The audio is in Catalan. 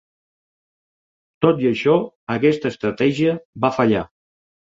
Tot i això, aquesta estratègia va fallar.